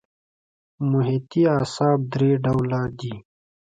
محیطي اعصاب درې ډوله دي.